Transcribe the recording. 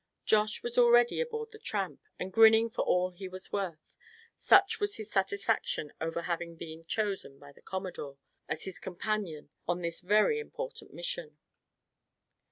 Josh was already aboard the Tramp, and grinning for all he was worth, such was his satisfaction over having been chosen by the Commodore as his companion in this very important mission.